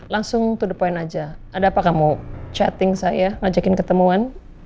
langsung to the point aja ada apa kamu chatting saya ngajakin ketemuan